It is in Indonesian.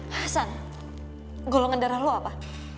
hasan golongan darah lo apa